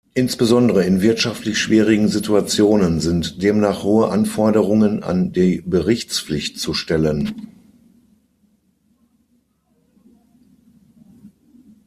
Insbesondere in wirtschaftlich schwierigen Situationen sind demnach hohe Anforderungen an die Berichtspflicht zu stellen.